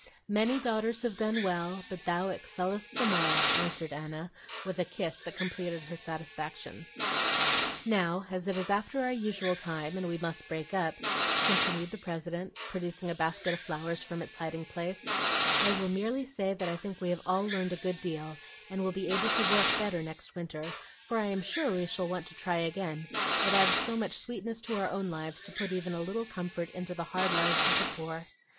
"Many daughters have done well, but thou excellest them all," answered Anna, with a kiss that completed her satisfaction. "Now, as it is after our usual time, and we must break up," continued the President, producing a basket of flowers from its hiding place, "I will merely say that I think we have all learned a good deal, and will be able to work better next winter; for I am sure we shall want to try again, it adds so much sweetness to our own lives to put even a little comfort into the hard lives of the poor.